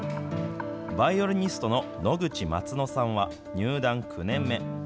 バイオリニストの野口まつのさんは入団９年目。